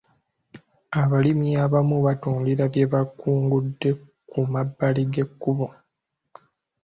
Abalimi abamu batundira bye bakungudde ku mabbali g'ekkubo.